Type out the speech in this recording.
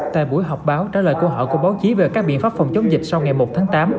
tại buổi họp báo trả lời của họ của báo chí về các biện pháp phòng chống dịch sau ngày một tháng tám